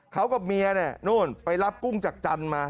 เขากับเมียเนี่ยนู่นไปรับกุ้งจากจันทร์มา